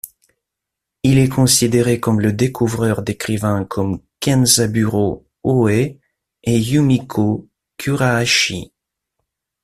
Il est considéré comme le découvreur d'écrivains comme Kenzaburō Ōe et Yumiko Kurahashi.